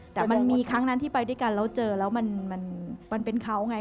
แต่มันมีครั้งนั้นที่ไปด้วยกันแล้วเจอแล้วมันเป็นเขาไง